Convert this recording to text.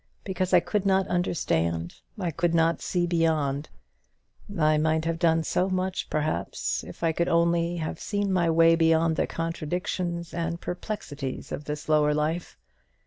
because I could not understand I could not see beyond. I might have done so much perhaps, if I could only have seen my way beyond the contradictions and perplexities of this lower life.